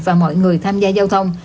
và mọi người tham gia giao thông